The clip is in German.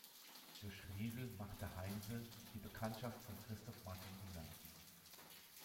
Durch Riedel machte Heinse die Bekanntschaft von Christoph Martin Wieland.